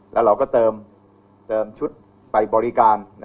แล้วเราก็เติมชุดไปบริการ